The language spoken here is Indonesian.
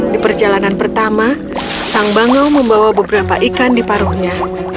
di perjalanan pertama sang bangau membawa beberapa ikan di paruhnya